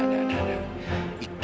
tidak tidak tidak